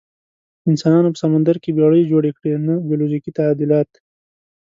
انسانانو په سمندر کې بیړۍ جوړې کړې، نه بیولوژیکي تعدیلات.